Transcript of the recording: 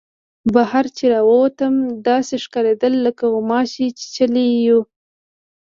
بهر چې را ووتو داسې ښکارېدل لکه غوماشې چیچلي یو.